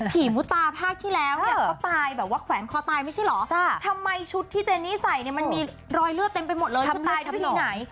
ทำไมชุดที่เจนี่ใส่มีรอยเลือดเต็มไปหมดเลิศตัายทั้งที่ไหน